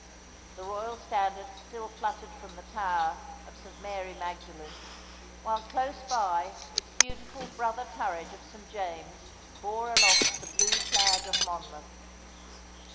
The Royal Standard still fluttered from the tower of St. Mary Magdalene, while close by its beautiful brother turret of St. James bore aloft the blue flag of Monmouth.